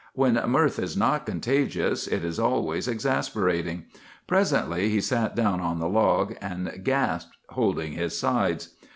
When mirth is not contagious, it is always exasperating. Presently he sat down on the log and gasped, holding his sides.